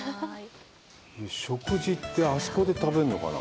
食事って、あそこで食べるのかな。